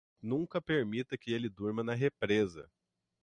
Nunca permita que ele durma na represa.